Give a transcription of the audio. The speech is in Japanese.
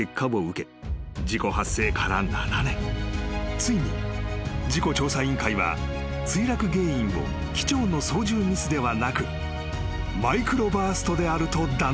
［ついに事故調査委員会は墜落原因を機長の操縦ミスではなくマイクロバーストであると断定した］